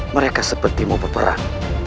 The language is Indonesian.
mereka seperti mau berperang